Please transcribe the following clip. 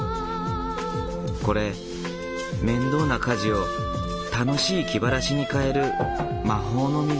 これ面倒な家事を楽しい気晴らしに変える魔法の水。